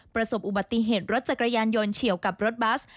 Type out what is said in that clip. ประสบอุบัติเหตุรถจักรยานยนต์เฉียวกับรถบัส